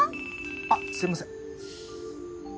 あっすみません。